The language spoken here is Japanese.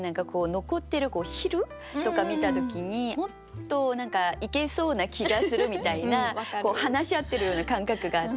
残ってる汁とか見た時にもっといけそうな気がするみたいな話し合ってるような感覚があって。